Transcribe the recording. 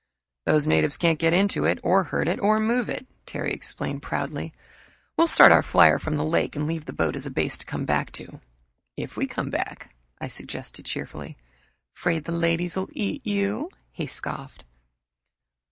"Those natives can't get into it, or hurt it, or move it," Terry explained proudly. "We'll start our flier from the lake and leave the boat as a base to come back to." "If we come back," I suggested cheerfully. "'Fraid the ladies will eat you?" he scoffed.